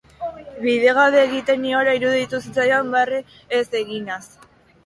Bidegabe egiten niola iruditu zitzaidan barre ez eginaz.